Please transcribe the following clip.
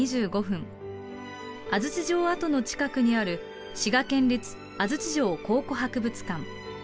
安土城跡の近くにある滋賀県立安土城考古博物館。